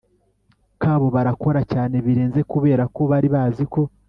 kabo barakora cyane birenze kuberako bari baziko